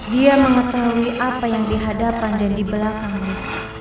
dia mengetahui apa yang di hadapan dan di belakangnya